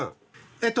えっと